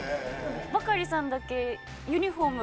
バカリさんだけユニホームが。